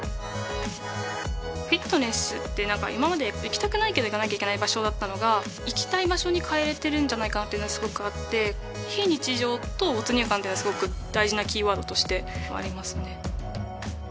フィットネスってなんか今まで行きたくないけど行かなきゃいけない場所だったのが行きたい場所に変えれてるんじゃないかなっていうのはすごくあって非日常と没入感っていうのはすごく大事なキーワードとしてはありますね